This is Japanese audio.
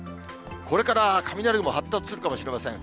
これから雷雲発達するかもしれません。